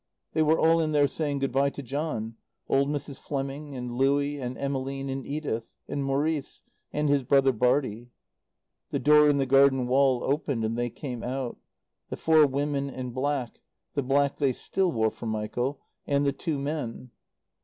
They were all in there saying good bye to John: old Mrs. Fleming, and Louie and Emmeline and Edith. And Maurice. And his brother Bartie. The door in the garden wall opened and they came out: the four women in black the black they still wore for Michael and the two men.